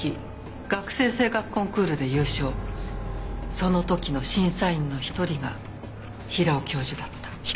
その時の審査員の一人が平尾教授だった。